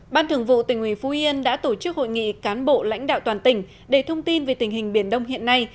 ban thường vụ tỉnh ủy phú yên đã tổ chức hội nghị cán bộ lãnh đạo toàn tỉnh để thông tin về tình hình biển đông hiện nay